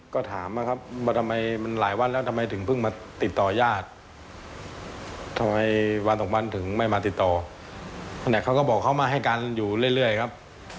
ก็ถามนะครับว่าทำไมมันหลายวันแล้วทำไมถึงเพิ่งมาติดต่อญาติทำไมวันสองวันถึงไม่มาติดต่อเนี่ยเขาก็บอกเขามาให้กันอยู่เรื่อยครับ